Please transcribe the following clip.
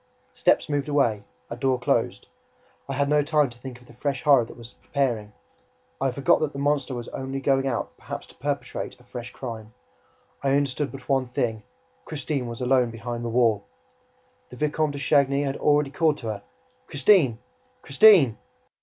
Steps moved away, a door closed. I had no time to think of the fresh horror that was preparing; I forgot that the monster was only going out perhaps to perpetrate a fresh crime; I understood but one thing: Christine was alone behind the wall! The Vicomte de Chagny was already calling to her: "Christine! Christine!"